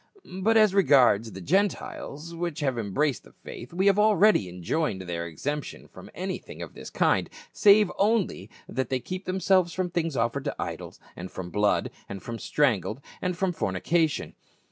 But as re gards the Gentiles, which have embraced the faith, we have already enjoined their exemption from anything of this kind, save only that they keep themselves from things offered to idols, and from blood, and from strangled, and from fornication."